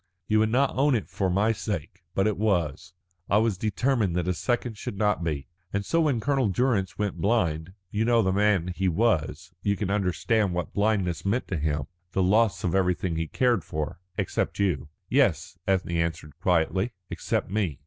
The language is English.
You would not own it for my sake, but it was. I was determined that a second should not be. And so when Colonel Durrance went blind you know the man he was, you can understand what blindness meant to him, the loss of everything he cared for " "Except you." "Yes," Ethne answered quietly, "except me.